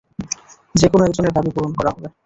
যেকোনো একজনের দাবি পূরণ করা হবে।